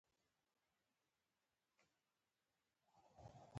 موږ باید په ښوونه او روزنه کې پانګونه وکړو.